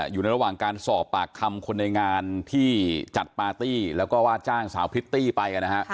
อยู่ในระหว่างการสอบปากคำคนในงานที่จัดปาร์ตี้แล้วก็ว่าจ้างสาวพริตตี้ไปนะฮะ